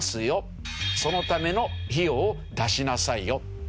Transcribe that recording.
よそのための費用を出しなさいよ。